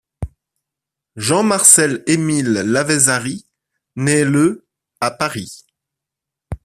Jean Marcel Émile Lavezzari naît le à Paris.